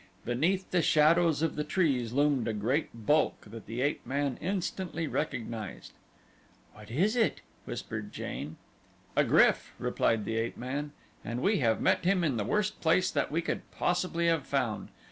Beneath the shadows of the trees loomed a great bulk that the ape man instantly recognized. "What is it?" whispered Jane. "A GRYF," replied the ape man, "and we have met him in the worst place that we could possibly have found.